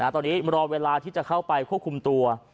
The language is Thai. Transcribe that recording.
ตอนนี้รอเวลาที่จะเข้าไปควบคุมตัว